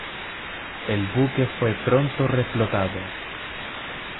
El buque fue pronto reflotado.